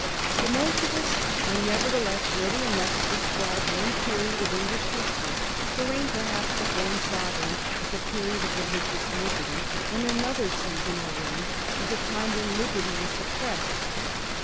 But most of us are, nevertheless, ready enough to describe one period of English history, the reign perhaps of one sovereign, as a period of religious liberty, and another season, or reign, as a time when liberty was sup pressed.